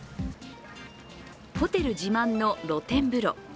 ホテル自慢の露天風呂。